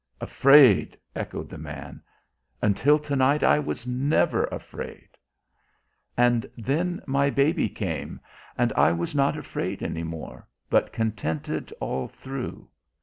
"Afraid!" echoed the man. "Until to night I was never afraid." "And then my baby came, and I was not afraid any more, but contented all through.